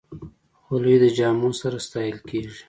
خولۍ د جامو سره ستایل کېږي.